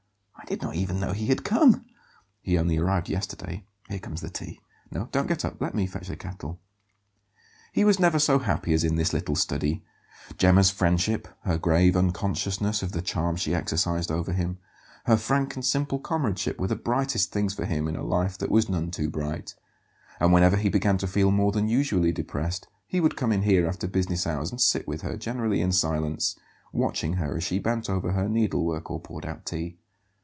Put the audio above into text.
"I did not even know he had come." "He only arrived yesterday. Here comes the tea. No, don't get up; let me fetch the kettle." He was never so happy as in this little study. Gemma's friendship, her grave unconsciousness of the charm she exercised over him, her frank and simple comradeship were the brightest things for him in a life that was none too bright; and whenever he began to feel more than usually depressed he would come in here after business hours and sit with her, generally in silence, watching her as she bent over her needlework or poured out tea.